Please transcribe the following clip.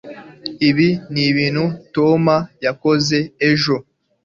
ibi nibintu tom yaguze ejo